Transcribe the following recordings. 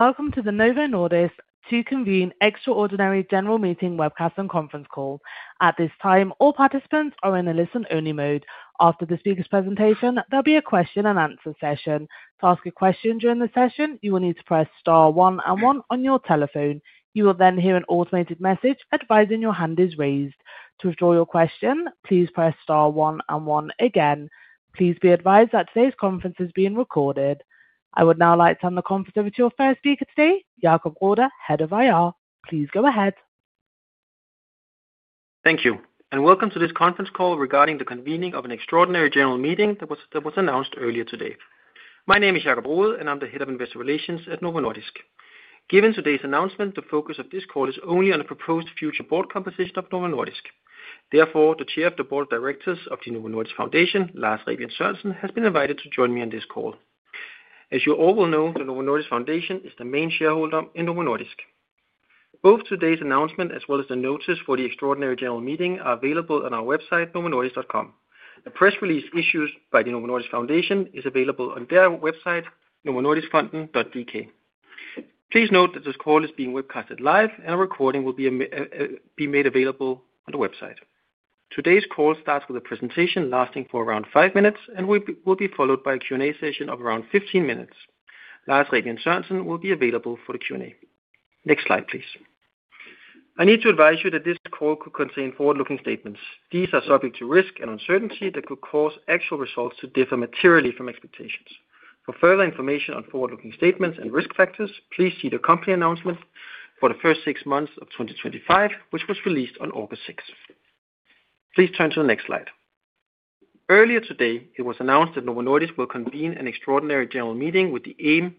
Welcome to the Novo Nordisk to Convene Extraordinary General Meeting webcast and conference call. At this time, all participants are in a listen-only mode. After the speaker's presentation, there'll be a question-and-answer session. To ask a question during the session, you will need to press star one and one on your telephone. You will then hear an automated message advising your hand is raised. To withdraw your question, please press star one and one again. Please be advised that today's conference is being recorded. I would now like to turn the conference over to our first speaker today, Jacob Robe, Head of IR. Please go ahead. Thank you. And welcome to this conference call regarding the convening of an extraordinary general meeting that was announced earlier today. My name is Jacob Rode, and I'm the Head of Investor Relations at Novo Nordisk. Given today's announcement, the focus of this call is only on a proposed future board composition of Novo Nordisk. Therefore, the Chair of the Board of Directors of the Novo Nordisk Foundation, Lars Rebien Sørensen, has been invited to join me on this call. As you all will know, the Novo Nordisk Foundation is the main shareholder in Novo Nordisk. Both today's announcement as well as the notice for the extraordinary general meeting are available on our website, novonordisk.com. A press release issued by the Novo Nordisk Foundation is available on their website, novonordiskfonden.dk. Please note that this call is being webcast live, and a recording will be made available on the website. Today's call starts with a presentation lasting for around five minutes and will be followed by a Q&A session of around 15 minutes. Lars Rebien Sørensen will be available for the Q&A. Next slide, please. I need to advise you that this call could contain forward-looking statements. These are subject to risk and uncertainty that could cause actual results to differ materially from expectations. For further information on forward-looking statements and risk factors, please see the company announcement for the first six months of 2025, which was released on August 6. Please turn to the next slide. Earlier today, it was announced that Novo Nordisk will convene an extraordinary general meeting with the aim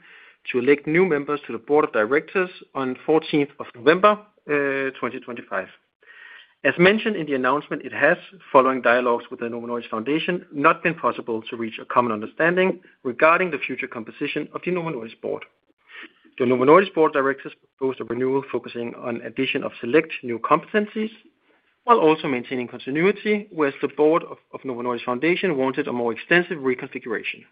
to elect new members to the Board of Directors on the 14th of November, 2025. As mentioned in the announcement, it has, following dialogues with the Novo Nordisk Foundation, not been possible to reach a common understanding regarding the future composition of the Novo Nordisk board. The Novo Nordisk Board of Directors proposed a renewal focusing on the addition of select new competencies while also maintaining continuity, whereas the Board of the Novo Nordisk Foundation wanted a more extensive reconfiguration.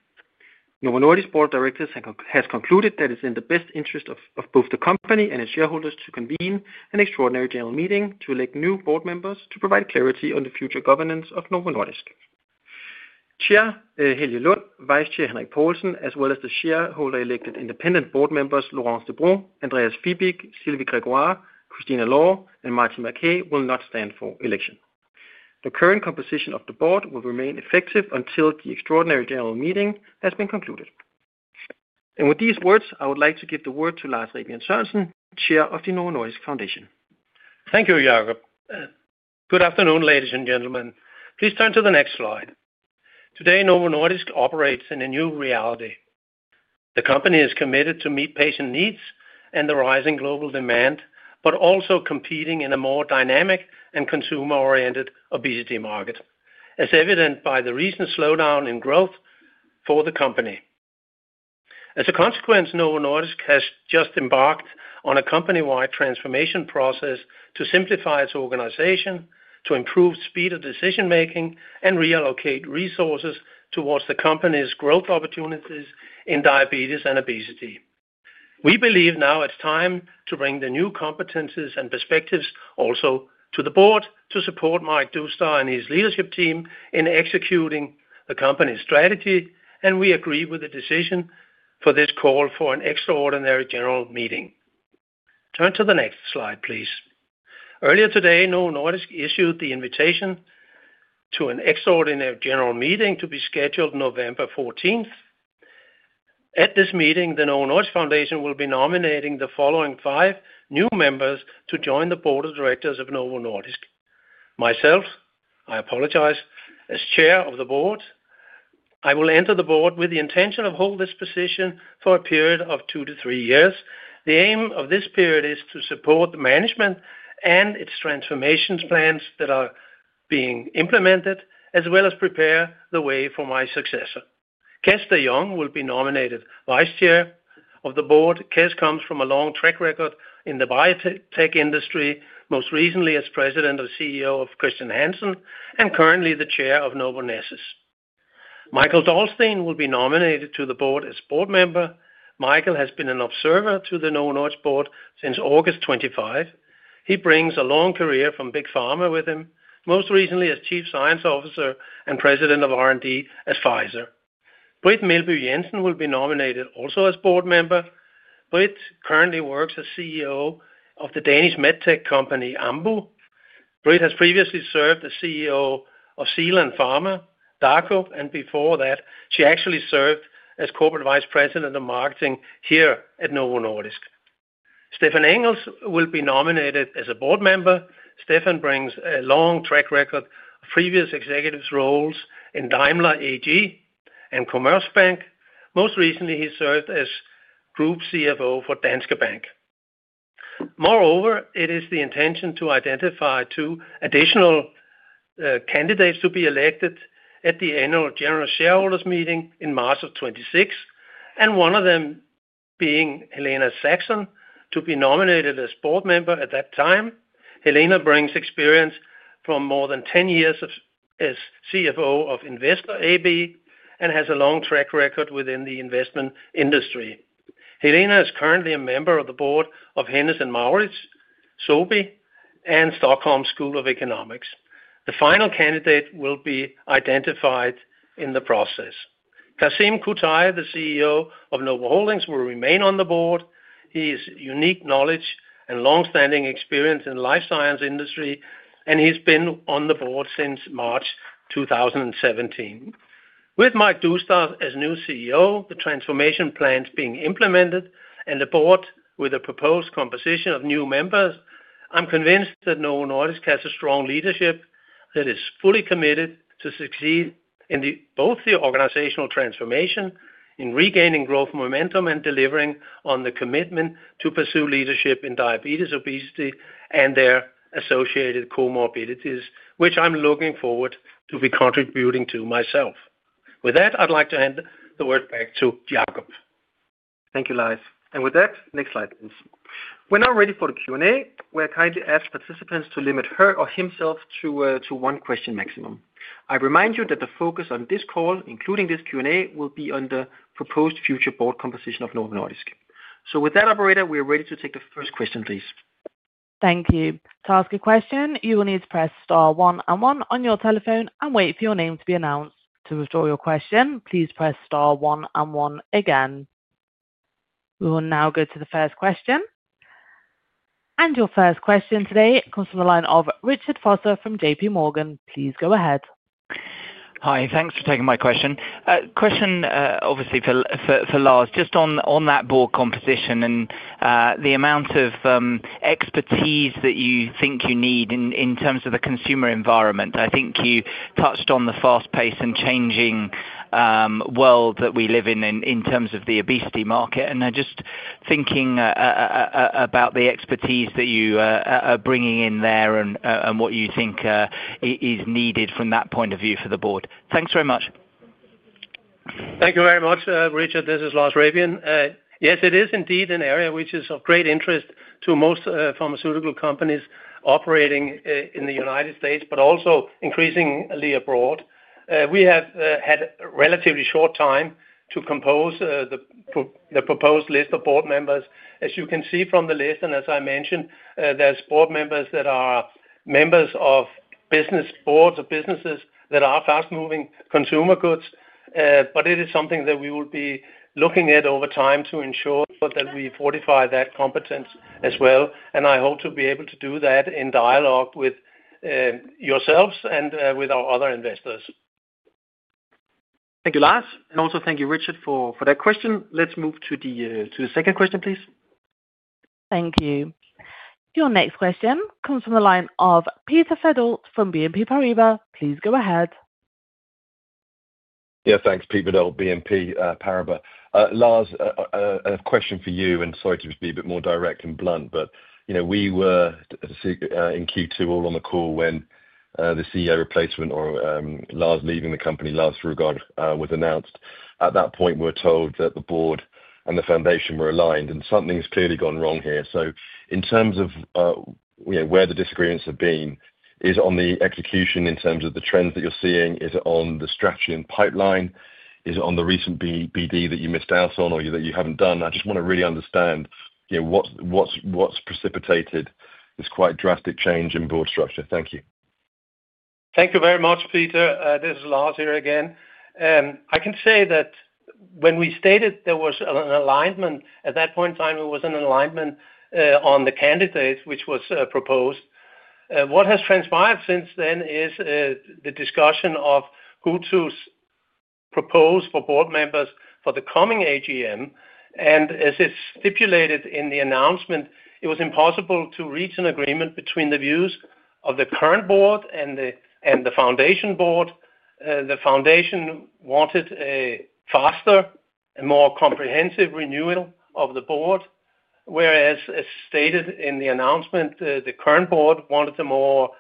Novo Nordisk Board of Directors has concluded that it's in the best interest of both the company and its shareholders to convene an extraordinary general meeting to elect new board members to provide clarity on the future governance of Novo Nordisk. Chair Helge Lund, Vice Chair Henrik Poulsen, as well as the shareholder-elected independent board members, Laurence Debroux, Andreas Fibig, Sylvie Grégoire, Christine Lawlor, and Martin Lange, will not stand for election. The current composition of the board will remain effective until the extraordinary general meeting has been concluded. With these words, I would like to give the word to Lars Rebien Sørensen, Chair of the Novo Nordisk Foundation. Thank you, Jacob. Good afternoon, ladies and gentlemen. Please turn to the next slide. Today, Novo Nordisk operates in a new reality. The company is committed to meet patient needs and the rising global demand, but also competing in a more dynamic and consumer-oriented obesity market, as evident by the recent slowdown in growth for the company. As a consequence, Novo Nordisk has just embarked on a company-wide transformation process to simplify its organization, to improve speed of decision-making, and reallocate resources towards the company's growth opportunities in diabetes and obesity. We believe now it's time to bring the new competencies and perspectives also to the board to support Maziar Doustdar and his leadership team in executing the company's strategy, and we agree with the decision for this call for an extraordinary general meeting. Turn to the next slide, please. Earlier today, Novo Nordisk issued the invitation to an extraordinary general meeting to be scheduled on November 14th. At this meeting, the Novo Nordisk Foundation will be nominating the following five new members to join the Board of Directors of Novo Nordisk. Myself, I apologize, as Chair of the Board, I will enter the board with the intention of holding this position for a period of two to three years. The aim of this period is to support the management and its transformation plans that are being implemented, as well as prepare the way for my successor. Kes de Jong will be nominated Vice Chair of the Board. Kes comes from a long track record in the biotech industry, most recently as President and CEO of Chr. Hansen and currently the Chair of Novonesis. Mikael Dolsten will be nominated to the board as a board member. Mikael has been an observer to the Novo Nordisk board since August 25. He brings a long career from Big Pharma with him, most recently as Chief Science Officer and President of R&D at Pfizer. Britt Meelby Jensen will be nominated also as a board member. Britt currently works as CEO of the Danish MedTech company, Ambu. Britt has previously served as CEO of Zealand Pharma, Dako, and before that, she actually served as Corporate Vice President of Marketing here at Novo Nordisk. Stefan Engels will be nominated as a board member. Stefan brings a long track record of previous executive roles in Daimler AG and Commerzbank. Most recently, he served as Group CFO for Danske Bank. Moreover, it is the intention to identify two additional candidates to be elected at the Annual General Meeting in March of 2026, and one of them being Helena Saxon to be nominated as a board member at that time. Helena brings experience from more than 10 years as CFO of Investor AB and has a long track record within the investment industry. Helena is currently a member of the board of Hennes & Mauritz, Sobi, and Stockholm School of Economics. The final candidate will be identified in the process. Kasim Kutay, the CEO of Novo Holdings, will remain on the board. He has unique knowledge and longstanding experience in the life science industry, and he's been on the board since March 2017. With Mike Doustdar as new CEO, the transformation plans being implemented, and the board with a proposed composition of new members, I'm convinced that Novo Nordisk has a strong leadership that is fully committed to succeed in both the organizational transformation, in regaining growth momentum, and delivering on the commitment to pursue leadership in diabetes, obesity, and their associated comorbidities, which I'm looking forward to be contributing to myself. With that, I'd like to hand the word back to Jacob. Thank you, Lars. With that, next slide, please. We're now ready for the Q&A. We're kindly asking participants to limit her or himself to one question maximum. I remind you that the focus on this call, including this Q&A, will be on the proposed future board composition of Novo Nordisk. With that, operator, we are ready to take the first question, please. Thank you. To ask a question, you will need to press star one and one on your telephone and wait for your name to be announced. To withdraw your question, please press star one and one again. We will now go to the first question. Your first question today comes from the line of Richard Vosser from JPMorgan. Please go ahead. Hi, thanks for taking my question. Question, obviously, for Lars, just on that board composition and the amount of expertise that you think you need in terms of the consumer environment. I think you touched on the fast-paced and changing world that we live in in terms of the obesity market. I'm just thinking about the expertise that you are bringing in there and what you think is needed from that point of view for the board. Thanks very much. Thank you very much, Richard. This is Lars Rebien. Yes, it is indeed an area which is of great interest to most pharmaceutical companies operating in the U.S., but also increasingly abroad. We have had a relatively short time to compose the proposed list of board members. As you can see from the list, and as I mentioned, there are board members that are members of boards of businesses that are fast-moving consumer goods. It is something that we will be looking at over time to ensure that we fortify that competence as well. I hope to be able to do that in dialogue with yourselves and with our other investors. Thank you, Lars. Thank you, Richard, for that question. Let's move to the second question, please. Thank you. Your next question comes from the line of Peter Verdult from BNP Paribas. Please go ahead. Yeah, thanks, Peter Verdult, BNP Paribas. Lars, a question for you, and sorry to be a bit more direct and blunt, but you know we were in Q2 all on the call when the CEO replacement or Lars leaving the company, Lars Fruergaard, was announced. At that point, we were told that the board and the foundation were aligned, and something has clearly gone wrong here. In terms of where the disagreements have been, is it on the execution in terms of the trends that you're seeing? Is it on the strategy and pipeline? Is it on the recent BD that you missed out on or that you haven't done? I just want to really understand what's precipitated this quite drastic change in board structure. Thank you. Thank you very much, Peter. This is Lars here again. I can say that when we stated there was an alignment at that point in time, it was an alignment on the candidate which was proposed. What has transpired since then is the discussion of who to propose for board members for the coming AGM. As it's stipulated in the announcement, it was impossible to reach an agreement between the views of the current board and the foundation board. The foundation wanted a faster and more comprehensive renewal of the board, whereas, as stated in the announcement, the current board wanted a more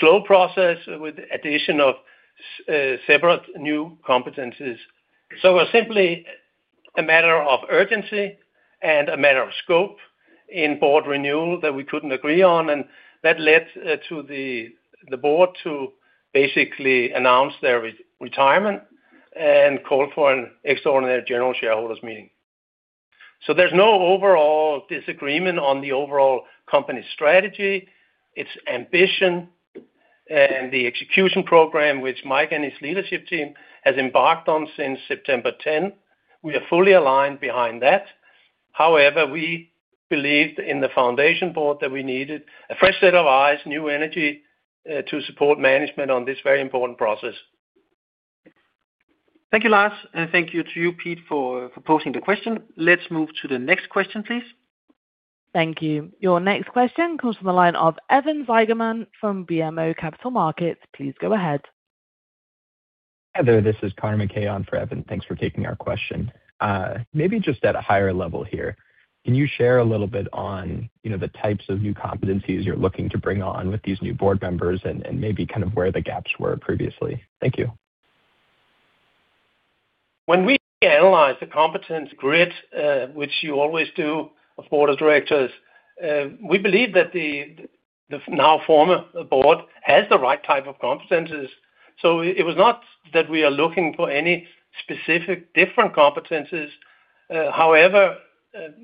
slow process with the addition of separate new competencies. It was simply a matter of urgency and a matter of scope in board renewal that we couldn't agree on. That led to the board to basically announce their retirement and call for an extraordinary general shareholders' meeting. There is no overall disagreement on the overall company strategy. It's ambition and the execution program which Mike and his leadership team have embarked on since September 10th. We are fully aligned behind that. However, we believed in the foundation board that we needed a fresh set of eyes, new energy to support management on this very important process. Thank you, Lars. Thank you to you, Pete, for posing the question. Let's move to the next question, please. Thank you. Your next question comes from the line of Evan Seigerman from BMO Capital Markets. Please go ahead. Hello, this is Carmi on for Evan. Thanks for taking our question. Maybe just at a higher level here, can you share a little bit on the types of new competencies you're looking to bring on with these new board members and maybe kind of where the gaps were previously? Thank you. When we analyze the competence grid, which you always do of Board of Directors, we believe that the now former board has the right type of competencies. It was not that we are looking for any specific different competencies. However,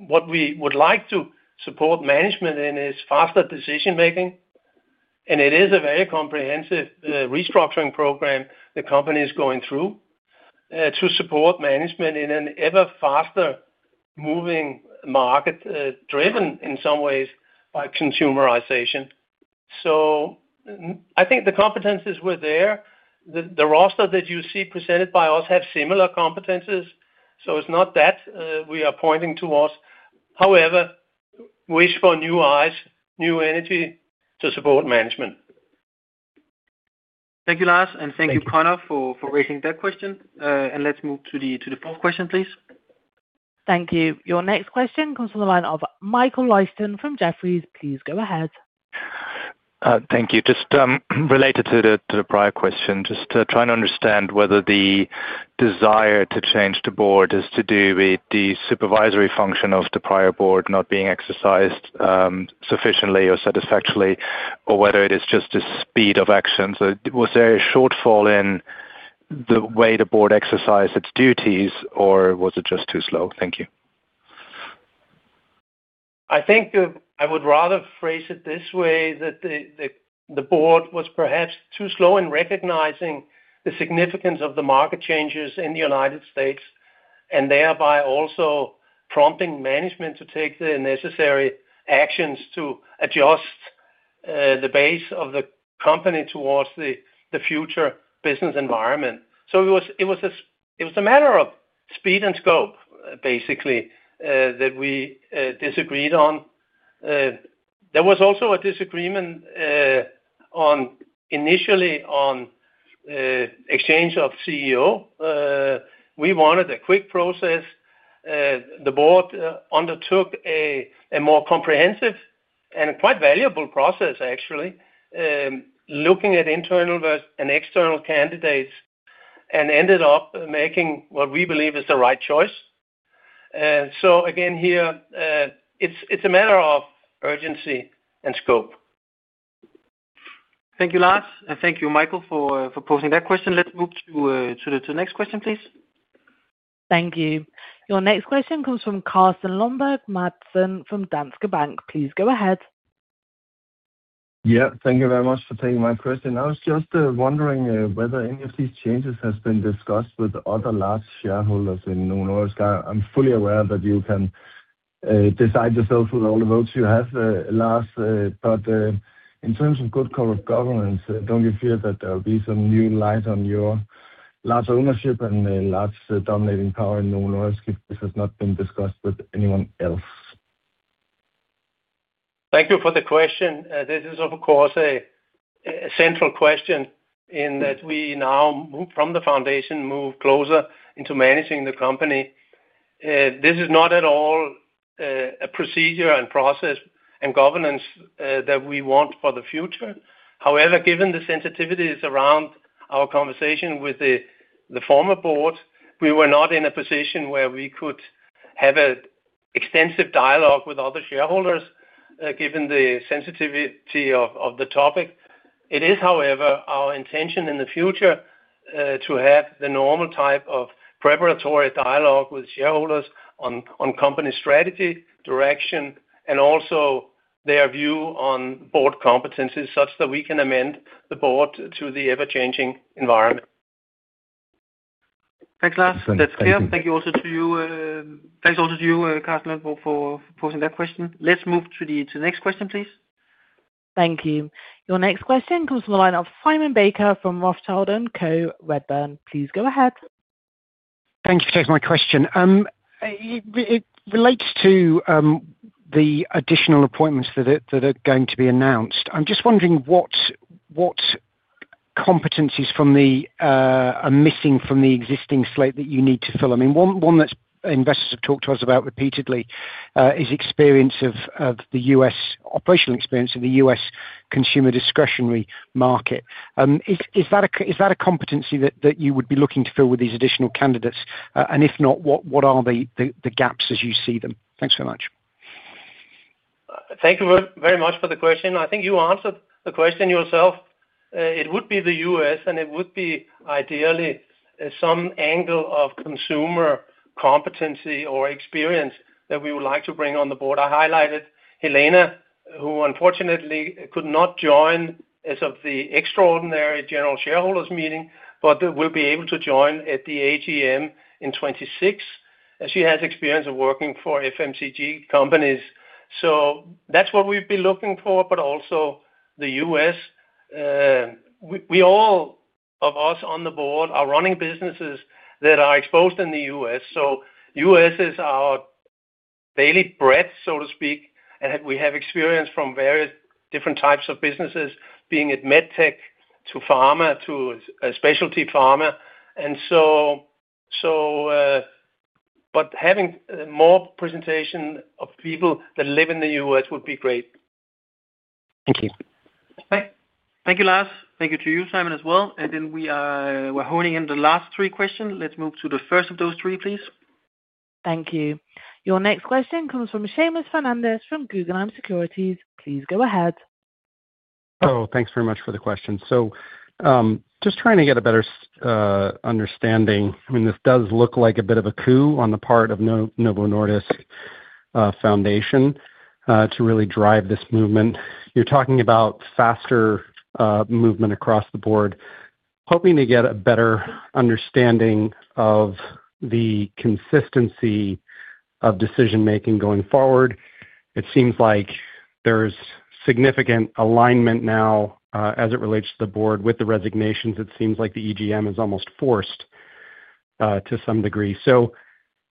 what we would like to support management in is faster decision-making. It is a very comprehensive restructuring program the company is going through to support management in an ever faster-moving market, driven in some ways by consumerization. I think the competencies were there. The roster that you see presented by us has similar competencies. It's not that we are pointing towards, however, wish for new eyes, new energy to support management. Thank you, Lars. Thank you, Conor, for raising that question. Let's move to the fourth question, please. Thank you. Your next question comes from the line of Michael [Leiston from Jefferies. Please go ahead. Thank you. Just related to the prior question, just trying to understand whether the desire to change the board is to do with the supervisory function of the prior board not being exercised sufficiently or satisfactorily, or whether it is just the speed of action. Was there a shortfall in the way the board exercised its duties, or was it just too slow? Thank you. I think I would rather phrase it this way: that the board was perhaps too slow in recognizing the significance of the market changes in the U.S., and thereby also prompting management to take the necessary actions to adjust the base of the company towards the future business environment. It was a matter of speed and scope, basically, that we disagreed on. There was also a disagreement initially on the exchange of CEO. We wanted a quick process. The board undertook a more comprehensive and quite valuable process, actually, looking at internal and external candidates, and ended up making what we believe is the right choice. Here, it's a matter of urgency and scope. Thank you, Lars. Thank you, Michael, for posing that question. Let's move to the next question, please. Thank you. Your next question comes from Carl Selumberg Matson from Danske Bank. Please go ahead. Yeah, thank you very much for taking my question. I was just wondering whether any of these changes have been discussed with other large shareholders in Novo Nordisk. I'm fully aware that you can decide yourself with all the votes you have, Lars. In terms of good corporate governance, don't you fear that there will be some new light on your large ownership and large dominating power in Novo Nordisk if this has not been discussed with anyone else? Thank you for the question. This is, of course, a central question in that we now move from the Foundation, move closer into managing the company. This is not at all a procedure and process and governance that we want for the future. However, given the sensitivities around our conversation with the former Board, we were not in a position where we could have an extensive dialogue with other shareholders given the sensitivity of the topic. It is, however, our intention in the future to have the normal type of preparatory dialogue with shareholders on company strategy, direction, and also their view on Board competencies such that we can amend the Board to the ever-changing environment. Thanks, Lars. That's clear. Thank you also to you. Thanks also to you, Carl, for posing that question. Let's move to the next question, please. Thank you. Your next question comes from the line of Simon Baker from Rothschild & Co Redburn. Please go ahead. Thank you. Thanks for my question. It relates to the additional appointments that are going to be announced. I'm just wondering what competencies are missing from the existing slate that you need to fill. I mean, one that investors have talked to us about repeatedly is experience of the U.S. operational experience of the U.S. consumer discretionary market. Is that a competency that you would be looking to fill with these additional candidates? If not, what are the gaps as you see them? Thanks very much. Thank you very much for the question. I think you answered the question yourself. It would be the U.S., and it would be ideally some angle of consumer competency or experience that we would like to bring on the board. I highlighted Helena, who unfortunately could not join as of the extraordinary general shareholders' meeting, but will be able to join at the AGM in 2026. She has experience of working for FMCG companies. That's what we've been looking for, but also the U.S. All of us on the board are running businesses that are exposed in the U.S., so the U.S. is our daily bread, so to speak. We have experience from various different types of businesses, being it medtech to pharma to specialty pharma, but having more representation of people that live in the U.S. would be great. Thank you. Thank you, Lars. Thank you to you, Simon, as well. We are honing in on the last three questions. Let's move to the first of those three, please. Thank you. Your next question comes from Seamus Fernandez from Guggenheim Securities. Please go ahead. Thanks very much for the question. Just trying to get a better understanding. I mean, this does look like a bit of a coup on the part of Novo Nordisk Foundation to really drive this movement. You're talking about faster movement across the board, hoping to get a better understanding of the consistency of decision-making going forward. It seems like there's significant alignment now as it relates to the board with the resignations. It seems like the AGM is almost forced to some degree.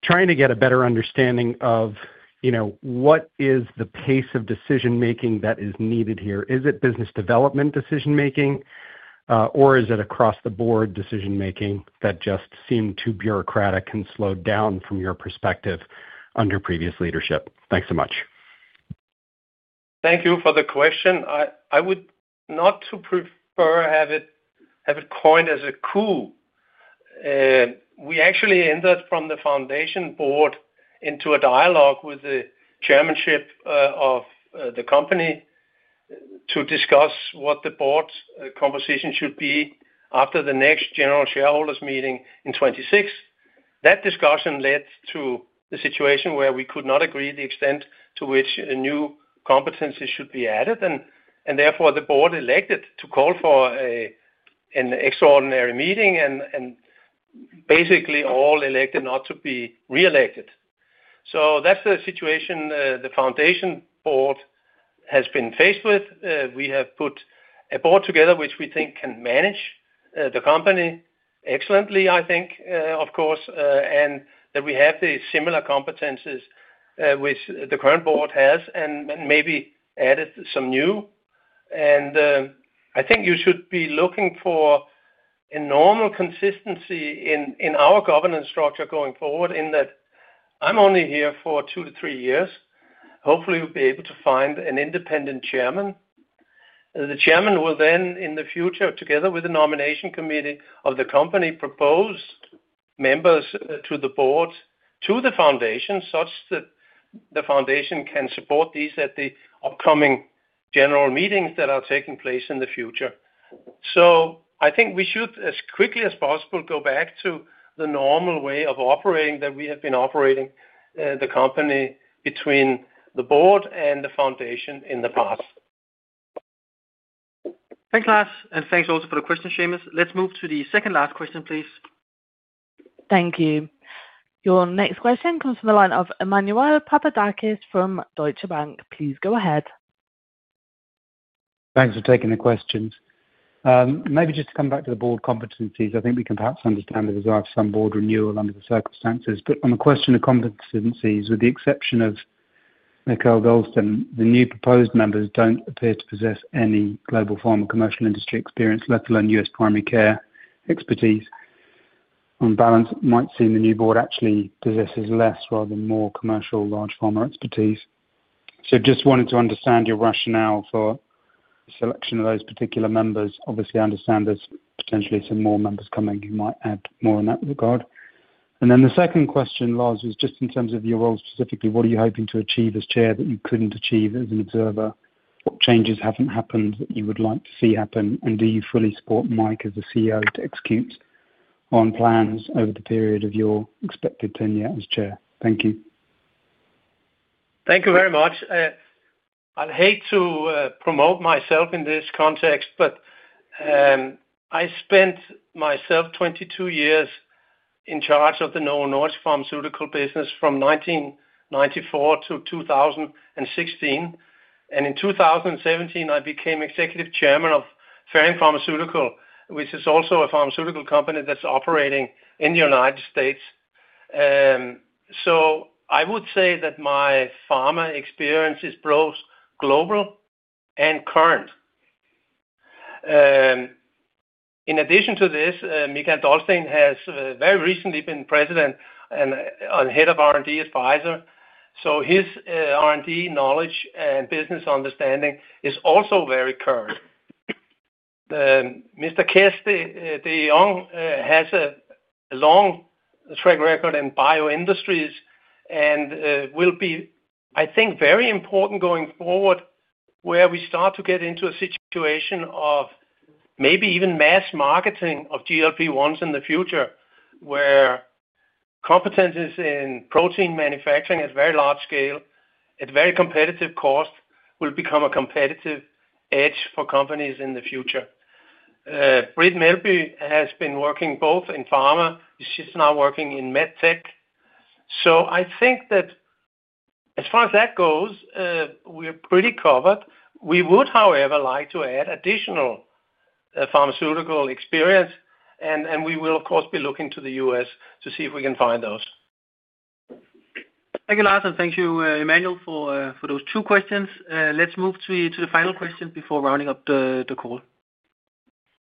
Trying to get a better understanding of, you know, what is the pace of decision-making that is needed here? Is it business development decision-making, or is it across-the-board decision-making that just seemed too bureaucratic and slowed down from your perspective under previous leadership? Thanks so much. Thank you for the question. I would not prefer to have it coined as a coup. We actually entered from the Foundation board into a dialogue with the Chairmanship of the company to discuss what the board's composition should be after the next general shareholders' meeting in 2026. That discussion led to the situation where we could not agree the extent to which new competencies should be added. Therefore, the board elected to call for an extraordinary meeting and basically all elected not to be reelected. That is the situation the Foundation board has been faced with. We have put a board together which we think can manage the company excellently, I think, of course, and that we have the similar competencies which the current board has and maybe added some new. I think you should be looking for a normal consistency in our governance structure going forward in that I'm only here for two to three years. Hopefully, you'll be able to find an independent Chairman. The Chairman will then, in the future, together with the Nomination Committee of the company, propose members to the board to the Foundation such that the Foundation can support these at the upcoming general meetings that are taking place in the future. I think we should, as quickly as possible, go back to the normal way of operating that we have been operating the company between the board and the Foundation in the past. Thanks, Lars. Thanks also for the question, Seamus. Let's move to the second last question, please. Thank you. Your next question comes from the line of Emmanuel Papadakis from Deutsche Bank. Please go ahead. Thanks for taking the questions. Maybe just to come back to the board competencies, I think we can perhaps understand the desire for some board renewal under the circumstances. On the question of competencies, with the exception of Mikael Dolsten, the new proposed members don't appear to possess any global pharma commercial industry experience, let alone U.S. primary care expertise. On balance, it might seem the new board actually possesses less rather than more commercial large pharma expertise. I just wanted to understand your rationale for the selection of those particular members. Obviously, I understand there's potentially some more members coming who might add more in that regard. The second question, Lars, was just in terms of your role specifically, what are you hoping to achieve as Chair that you couldn't achieve as an observer? What changes haven't happened that you would like to see happen? Do you fully support Mike as the CEO to execute on plans over the period of your expected tenure as Chair? Thank you. Thank you very much. I'd hate to promote myself in this context, but I spent myself 22 years in charge of the Novo Nordisk pharmaceutical business from 1994 to 2016. In 2017, I became Executive Chairman of Ferring Pharmaceutical, which is also a pharmaceutical company that's operating in the U.S. I would say that my pharma experience is both global and current. In addition to this, Mikael Dolsten has very recently been President and Head of R&D at Pfizer. His R&D knowledge and business understanding is also very current. Mr. Kes de Jong has a long track record in bioindustries and will be, I think, very important going forward where we start to get into a situation of maybe even mass marketing of GLP-1s in the future, where competencies in protein manufacturing at very large scale at very competitive cost will become a competitive edge for companies in the future. Britt Meelby has been working both in pharma. She's now working in medtech. I think that as far as that goes, we're pretty covered. We would, however, like to add additional pharmaceutical experience. We will, of course, be looking to the U.S. to see if we can find those. Thank you, Lars. Thank you, Emmanuel, for those two questions. Let's move to the final question before rounding up the call.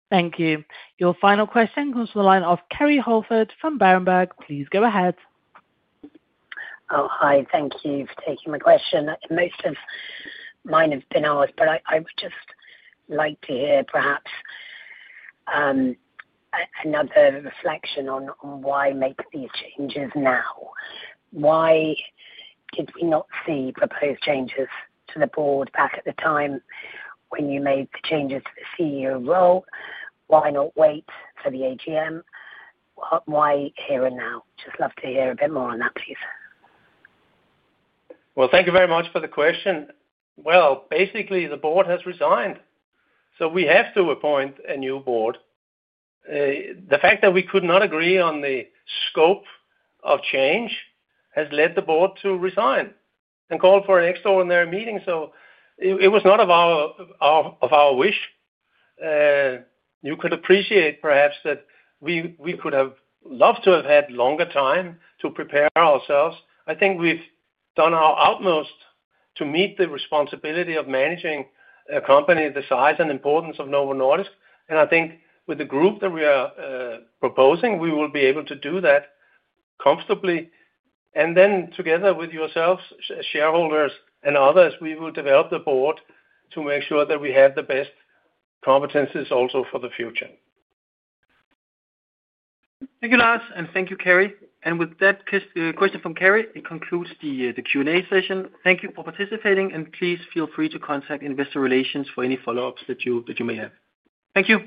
Thank you. Your final question comes from the line of Kelly Holford from Berenberg. Please go ahead. Hi. Thank you for taking the question. Most of mine have been asked, but I would just like to hear perhaps another reflection on why make these changes now. Why did we not see proposed changes to the board back at the time when you made the changes to the CEO role? Why not wait for the AGM? Why here and now? Just love to hear a bit more on that, please. Thank you very much for the question. Basically, the board has resigned, so we have to appoint a new board. The fact that we could not agree on the scope of change has led the board to resign and call for an extraordinary meeting. It was not of our wish. You could appreciate perhaps that we could have loved to have had longer time to prepare ourselves. I think we've done our utmost to meet the responsibility of managing a company the size and importance of Novo Nordisk. I think with the group that we are proposing, we will be able to do that comfortably. Together with yourselves, shareholders, and others, we will develop the board to make sure that we have the best competencies also for the future. Thank you, Lars. Thank you, Kerry. With that question from Kerry, it concludes the Q&A session. Thank you for participating, and please feel free to contact Investor Relations for any follow-ups that you may have. Thank you.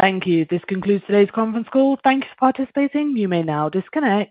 Thank you. This concludes today's conference call. Thank you for participating. You may now disconnect.